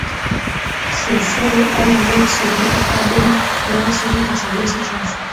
sulfuri au monoksidi kaboni Kiasi hiki cha gesi chafu